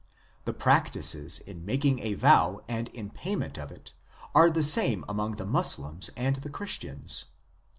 The practices in making a vow and in payment of it are the same among the Moslems and the Christians.